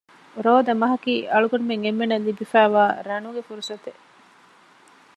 ރޯދަމަހަކީ އަޅުގަނޑުމެން އެންމެންނަށް ލިބިފައިވާ ރަނުގެ ފުރުޞަތެއް